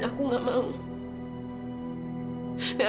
dan aku juga langsung ke hooda